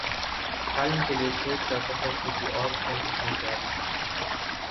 Column کے لیے سوچ کا سفر کسی اور سمت میں جاری تھا۔